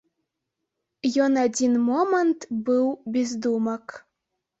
Ён адзін момант быў без думак.